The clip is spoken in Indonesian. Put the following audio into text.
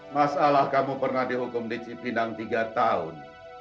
masalah kamu pernah dihukum di cipinang tiga tahun